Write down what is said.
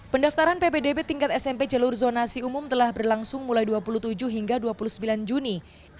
pendaftaran ppdb tingkat smp jalur zonasi umum telah berlangsung mulai dua puluh tujuh hingga dua puluh sembilan juni